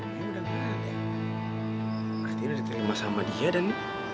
maksudnya udah terima sama dia dan